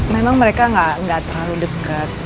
memang mereka nggak terlalu dekat